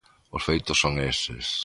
Os feitos son eses.